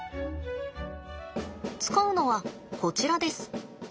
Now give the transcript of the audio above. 使うのはこちらです。